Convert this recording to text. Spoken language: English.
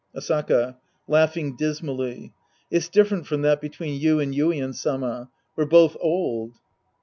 Asaka {laughing dismally). It's different from that between you and Yuien Sama. We're both old.